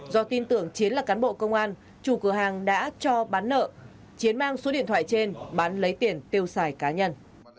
do tin tưởng chiến là cán bộ công an chủ cửa hàng đã cho bán nợ chiến mang số điện thoại trên bán lấy tiền tiêu xài cá nhân